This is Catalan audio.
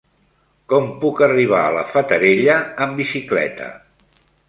Com puc arribar a la Fatarella amb bicicleta?